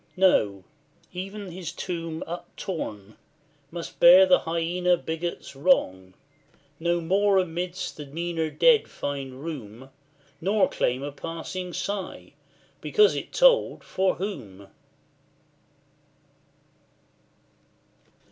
No; even his tomb Uptorn, must bear the hyaena bigots' wrong, No more amidst the meaner dead find room, Nor claim a passing sigh, because it told for WHOM?